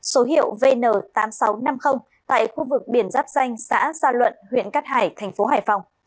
số hiệu vn tám nghìn sáu trăm năm mươi tại khu vực biển giáp danh xã gia luận huyện cát hải thành phố hải phòng